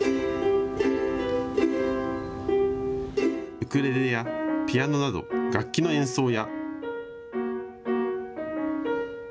ウクレレやピアノなど楽器の演奏や。